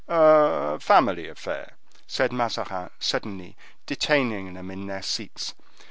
"A family affair," said Mazarin, suddenly, detaining them in their seats.